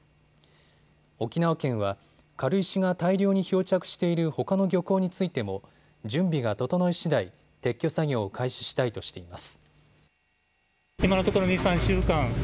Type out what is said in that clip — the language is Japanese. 沖縄県は軽石が大量に漂着しているほかの漁港についても準備が整いしだい撤去作業を開始したいとしています。